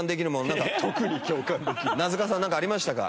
名塚さん何かありましたか？